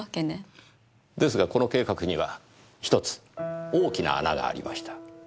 ですがこの計画には１つ大きな穴がありました。